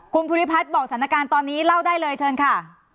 คุณภูริพัฒน์บอกสถานการณ์ตอนนี้เล่าได้เลยเชิญค่ะ